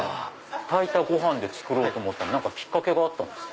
炊いたご飯で作ろうと思ったきっかけがあったんですか？